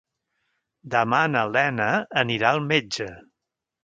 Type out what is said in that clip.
Demà na Lena anirà al metge.